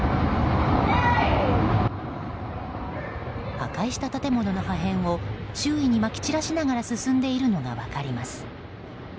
破壊した建物の破片を周囲にまき散らしながら進んでいるのが分かります。